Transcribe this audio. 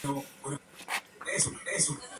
Doctorado en Ciencias Pedagógicas.